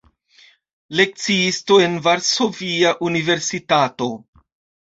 Lekciisto en Varsovia Universitato.